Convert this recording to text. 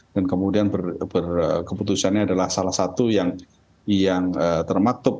dan kemudian keputusannya adalah salah satu yang termatuk